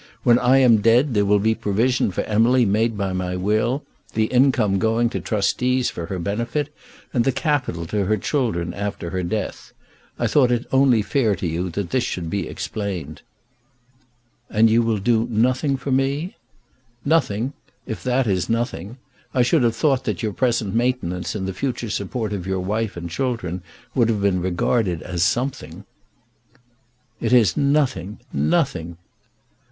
When I am dead there will be provision for Emily made by my will, the income going to trustees for her benefit, and the capital to her children after her death. I thought it only fair to you that this should be explained." "And you will do nothing for me?" "Nothing; if that is nothing. I should have thought that your present maintenance and the future support of your wife and children would have been regarded as something." "It is nothing; nothing!"